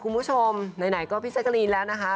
คุณผู้ชมไหนก็พี่แจกรีนแล้วนะคะ